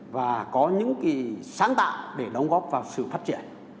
và có những sáng tạo để đóng góp vào sự phát triển